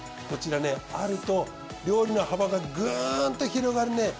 こちらねあると料理の幅がグンッと広がるね